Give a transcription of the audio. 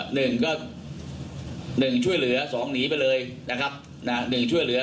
หนึ่งก็หนึ่งช่วยเหลือสองหนีไปเลยนะครับนะฮะหนึ่งช่วยเหลือ